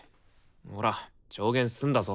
ほら調弦済んだぞ。